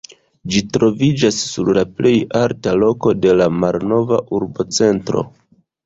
Ĝi troviĝas sur la plej alta loko de la malnova urbocentro.